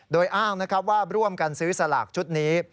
โดยอ้างว่าร่วมกันซื้อสละกชุดนี้